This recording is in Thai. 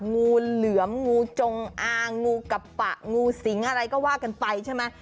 งูเหลือมงูจงอางงูกับปะงูสิงอะไรก็ว่ากันไปใช่ไหม